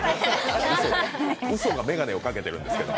うそが眼鏡をかけてるんですけど。